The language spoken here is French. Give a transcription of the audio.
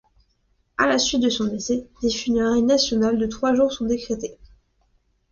À la suite de son décès, des funérailles nationales de trois jours sont décrétées.